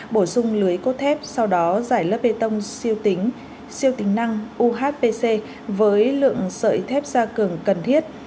bổ sung lưới cốt thép sau đó giải lớp bê tông siêu tính siêu tính năng uhpc với lượng sợi thép xa cường cần thiết